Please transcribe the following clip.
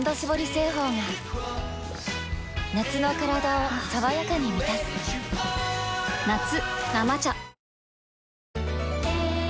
製法が夏のカラダを爽やかに満たす夏「生茶」